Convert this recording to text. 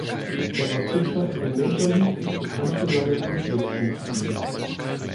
Er war Pitcher in der Major League, bekannt für seinen "Uboot-Wurfstil".